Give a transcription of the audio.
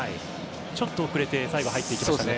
ちょっと遅れて最後、入っていきましたね。